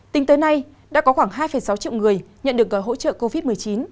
tính tới nay đã có khoảng hai sáu triệu người nhận được gói hỗ trợ covid một mươi chín